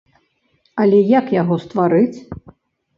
Але як яго стварыць?